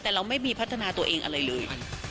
แต่เราไม่มีพัฒนาตัวเองอะไรเลย